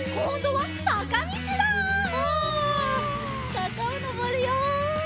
さかをのぼるよ！